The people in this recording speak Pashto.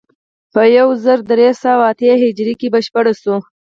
په یو زر درې سوه اتیا هجري کې بشپړ شوی.